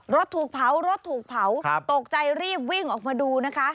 ถูกเผารถถูกเผาตกใจรีบวิ่งออกมาดูนะคะ